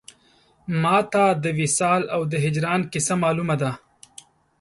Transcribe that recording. ما ته د وصال او د هجران کیسه مالومه ده